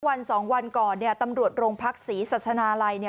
วัน๒วันก่อนตำรวจโรงพักศรีสัชนาลัย